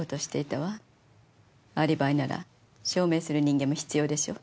アリバイなら証明する人間も必要でしょう。